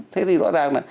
thế thì rõ ràng là